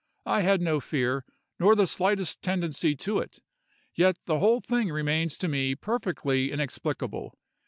I had no fear, nor the slightest tendency to it; yet the whole thing remains to me perfectly inexplicable.